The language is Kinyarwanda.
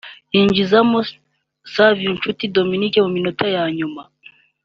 yinjizamo Savio Nshuti Dominique mu minota ya nyuma